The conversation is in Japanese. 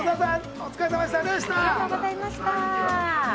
お疲れさまでした。